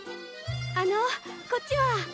あのこっちは？